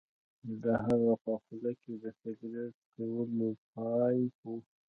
د هغه په خوله کې د سګرټ څکولو پایپ و